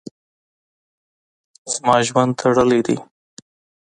زما ژوند تړلی ده.